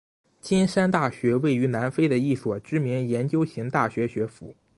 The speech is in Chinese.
金山大学位于南非的一所知名研究型大学学府。